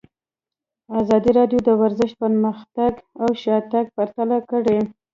ازادي راډیو د ورزش پرمختګ او شاتګ پرتله کړی.